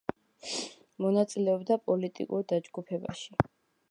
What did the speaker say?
მონაწილეობდა პოლიტიკურ დაჯგუფებაში.